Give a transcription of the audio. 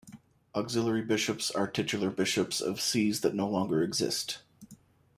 Auxiliary bishops are titular bishops of sees that no longer exist.